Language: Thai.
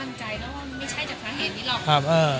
ต้องมั่นใจนะว่าไม่ใช่จากสาเหตุนี้หรอก